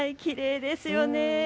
きれいですよね。